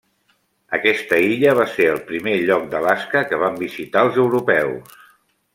Aquesta illa va ser el primer lloc d'Alaska que van visitar els europeus.